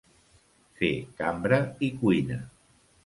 Fer cambra i cuina.